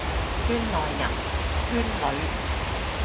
圈內人，圈裏，